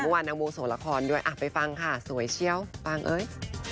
เมื่อวานนางโมทโสณรครด้วยอะไปฟังค่ะสวยเชียวป้างอ้อย